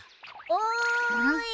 おい！